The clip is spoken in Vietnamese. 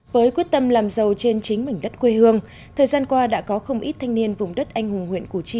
với quyết tâm làm giàu trên chính mảnh đất quê hương thời gian qua đã có không ít thanh niên vùng đất anh hùng huyện củ chi